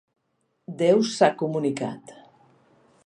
Déu s'ha comunicat.